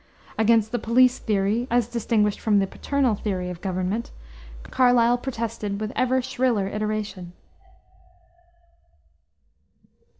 Against the "police theory," as distinguished from the "paternal" theory of government, Carlyle protested with ever shriller iteration.